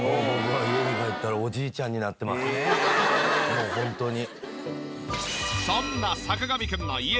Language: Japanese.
もうホントに。